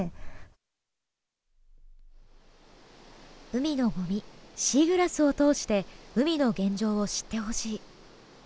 海のごみシーグラスを通して海の現状を知ってほしい。